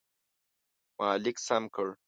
ما لیک سم کړ.